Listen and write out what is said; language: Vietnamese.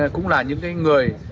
cũng là những người